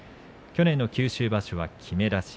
去年の九州場所は、きめ出し。